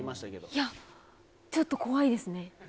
いや、ちょっと怖いですね。